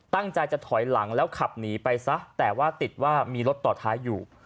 ตั้งใจจะถอยหลังแล้วขับหนีไปซะแต่ว่าติดว่ามีรถต่อท้ายอยู่